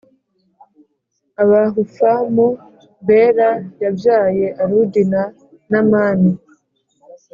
Abahufamu Bela yabyaye Arudi na Namani